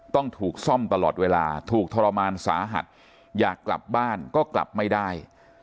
ต้องถูกซ่อมตลอดเวลาถูกทรมานสาหัสอยากกลับบ้านก็กลับไม่ได้